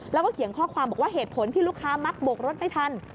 แล้วก็เขียนข้อความบอกว่าเหตุผลที่ลูกค้ามักบกรถไม่ทัน